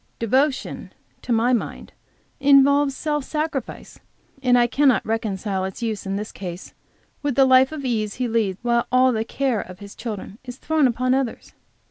"Devotion," to my mind, involves self sacrifice, and I cannot reconcile its use, in this case, with the life of ease he leads, while all the care of his children is thrown upon others.